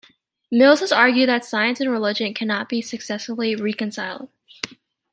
Mills has argued that science and religion cannot be successfully reconciled.